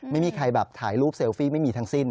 ไม่มีใครแบบถ่ายรูปเซลฟี่ไม่มีทั้งสิ้น